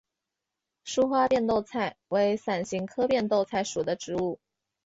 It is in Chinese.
疏花变豆菜为伞形科变豆菜属的植物。